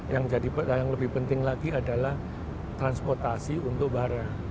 yang lebih penting lagi adalah transportasi untuk barang